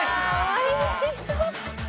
おいしそう！